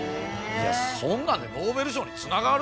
いやそんなんでノーベル賞につながる？